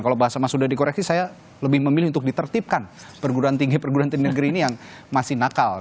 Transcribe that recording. kalau bahasa mas sudah dikoreksi saya lebih memilih untuk ditertipkan perguruan tinggi perguruan tinggi negeri ini yang masih nakal